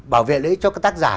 bảo vệ lợi ích cho các tác giả